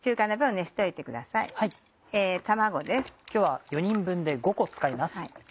今日は４人分で５個使います。